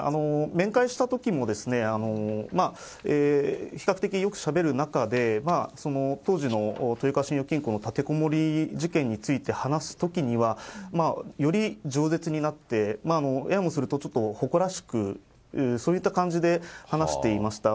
面会したときも、比較的よくしゃべる中で、当時の豊川信用金庫の立てこもり事件について話すときには、よりじょう舌になって、ややもすると、ちょっと誇らしく、そういった感じで話していました。